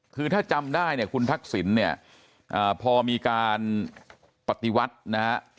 คือถ้าจำได้เนี่ยคุณทักษิณเนี่ยพอมีการปฏิวัตินะฮะ